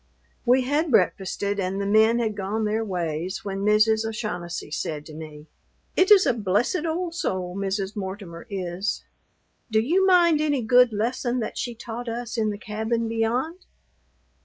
We had breakfasted and the men had gone their ways when Mrs. O'Shaughnessy said to me, "It is a blessed old soul Mrs. Mortimer is. Do you mind any good lesson that she taught us in the cabin beyont?"